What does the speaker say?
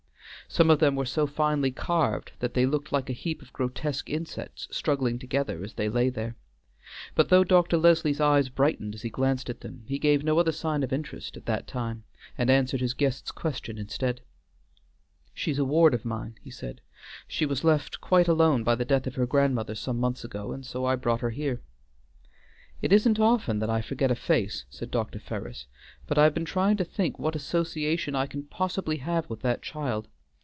Some of them were so finely carved that they looked like a heap of grotesque insects struggling together as they lay there, but though Dr. Leslie's eyes brightened as he glanced at them, he gave no other sign of interest at that time, and answered his guest's question instead. "She is a ward of mine," he said; "she was left quite alone by the death of her grandmother some months ago, and so I brought her here." "It isn't often that I forget a face," said Dr. Ferris, "but I have been trying to think what association I can possibly have with that child.